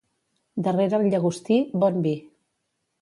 Darrere el llagostí, bon vi.